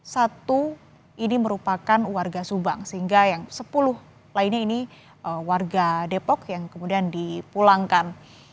satu ini merupakan warga subang sehingga yang sepuluh lainnya ini warga depok yang kemudian dipulangkan